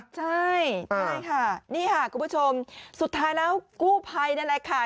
ใช่ค่ะนี่ค่ะคุณผู้ชมสุดท้ายแล้วกู้ภัยนั่นแหละค่ะ